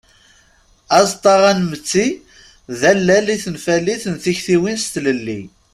Aẓeṭṭa anmetti d allal i tenfalit n tektiwin s tlelli.